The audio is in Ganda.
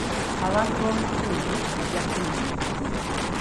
Abantu b'omu kitundu bajja kufuna emirimu.